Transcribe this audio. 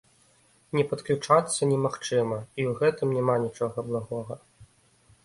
Не падключацца немагчыма, і ў гэтым няма нічога благога.